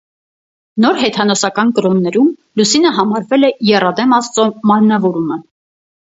Նորհեթանոսական կրոններում լուսինը համարվել է եռադեմ աստծո մարմնավորումը։